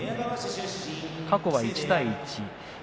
過去は１対１です。